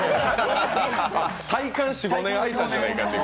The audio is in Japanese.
体感４５年開いたんじゃないかという？